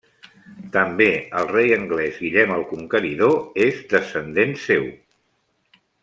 També el rei anglès Guillem el Conqueridor és descendent seu.